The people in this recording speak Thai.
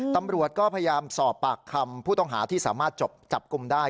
ตำรวจก็พยายามสอบปากคำผู้ต้องหาที่สามารถจับกลุ่มได้